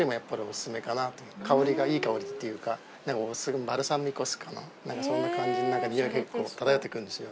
香りがいい香りっていうかバルサミコ酢かなそんな感じの匂い結構漂ってくるんですよ。